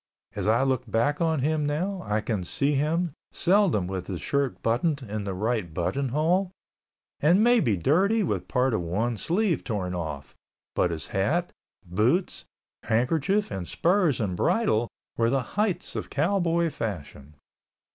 As I look back on him now, I can see him, seldom with his shirt buttoned in the right button hole, and maybe dirty with part of one sleeve torn off, but his hat, boots, handkerchief and spurs and bridle were the heights of cowboy fashion.